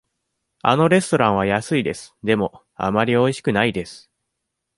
あのレストランは安いです。でも、あまりおいしくないです。